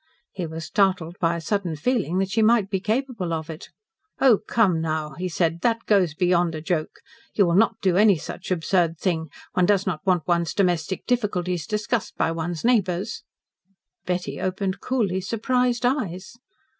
He was startled by a sudden feeling that she might be capable of it. "Oh, come now," he said, "that goes beyond a joke. You will not do any such absurd thing. One does not want one's domestic difficulties discussed by one's neighbours." Betty opened coolly surprised eyes.